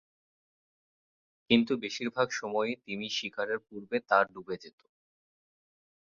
কিন্তু বেশিরভাগ সময়ই তিমি শিকারের পূর্বে তা ডুবে যেত।